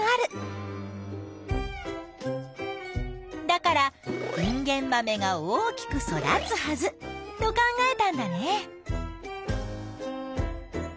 だからインゲンマメが大きく育つはずと考えたんだね。